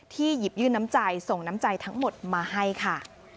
หยิบยื่นน้ำใจส่งน้ำใจทั้งหมดมาให้ค่ะ